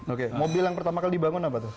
oke mobil yang pertama kali dibangun apa tuh